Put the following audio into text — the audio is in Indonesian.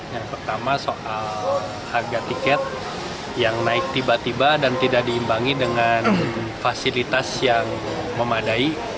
yang pertama soal harga tiket yang naik tiba tiba dan tidak diimbangi dengan fasilitas yang memadai